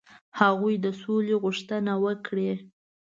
هغوی د سولي غوښتنه وکړي.